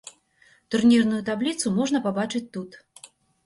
Турнірную табліцу можна пабачыць тут.